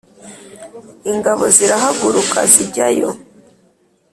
ingabo zirahaguruka zijyayo